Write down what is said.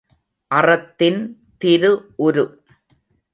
அறத்தின் திரு உரு!